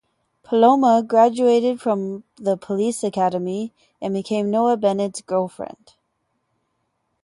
Paloma graduated from the Police Academy and became Noah Bennett's girlfriend.